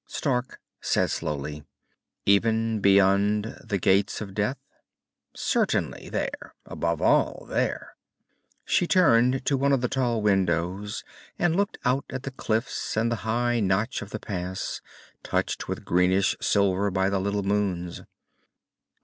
Stark said slowly, "Even beyond the Gates of Death?" "Certainly, there. Above all, there!" She turned to one of the tall windows and looked out at the cliffs and the high notch of the pass, touched with greenish silver by the little moons.